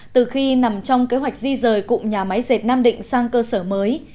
từ khi nằm trong kế hoạch di rời cụm nhà máy dệt nam định sang cơ sở mới